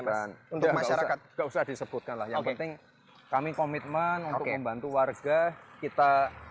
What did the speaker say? mas untuk masyarakat nggak usah disebutkan lah yang penting kami komitmen membantu warga kita